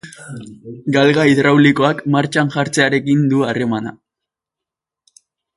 Galga hidraulikoak martxan jartzearekin du harremana.